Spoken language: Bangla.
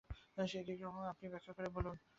সেটা কী রকম আপনি ব্যাখ্যা করে বলুন।